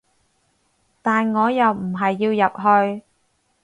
但我又唔係要入去